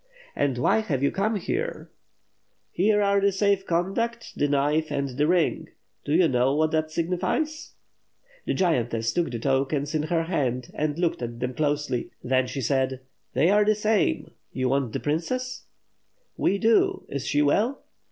"And why have you come here?" "Here are the safe conduct, the knife, and the ring. Do you know what that signifies?" The giantess took the tokens in her hand and looked at them closely; then she said: "They are the same! you want the princess?" "We do; is she well?"